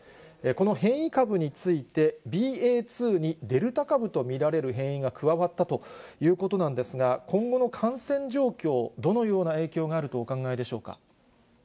この変異株について、ＢＡ．２にデルタ株と見られる変異が加わったということなんですが、今後の感染状況、どのような影響があるとお考えでしょうか。